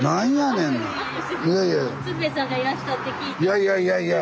いやいやいやいや。